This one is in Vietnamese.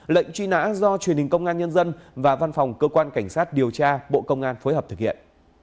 lệnh truy nã do truyền hình công an nhân dân và văn phòng cơ quan cảnh sát điều tra bộ công an phối hợp thực hiện